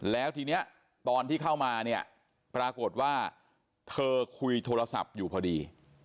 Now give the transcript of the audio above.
แล้วทีนี้ตอนที่เข้ามาเนี่ยปรากฏว่าเธอคุยโทรศัพท์อยู่พอดี